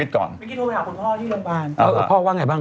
วิกิตโทรไปหาคุณพ่อที่โรงพยาบาลพ่อว่าไงบ้าง